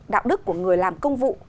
đạo đức của người làm công vụ